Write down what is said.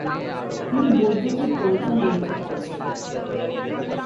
তিনি বৈদ্যুতিক পরীক্ষা-নিরীক্ষা করেছিলেন।